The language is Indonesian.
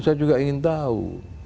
saya juga ingin tahu